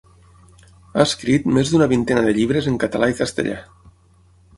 Ha escrit més d’una vintena de llibres en català i castellà.